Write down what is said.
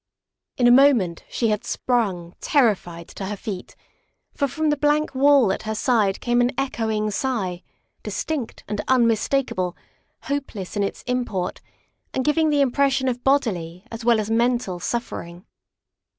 In a moment she had sprung, terrified, to her feet, for from the blank wall at her side came an echoing sigh, distinct and unmistakable, hopeless in its import, and giving the impression of bodily as well as mental suffer ing.